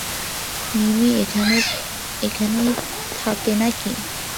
মিমি এখানেই থাকে নাকি?